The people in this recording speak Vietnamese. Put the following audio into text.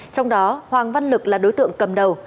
trong đó hoàng văn lực là đối tượng cầm đầu